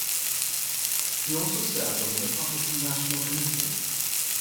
He also served on the Republican National Committee.